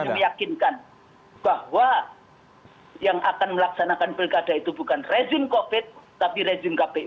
kita tidak akan melakukan penyelenggaraan yang meyakinkan bahwa yang akan melaksanakan pilkada itu bukan rezim covid sembilan belas tapi rezim kpu